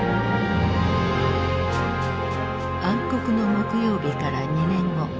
暗黒の木曜日から２年後。